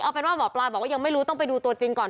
เอาเป็นว่าหมอปลาบอกว่ายังไม่รู้ต้องไปดูตัวจริงก่อน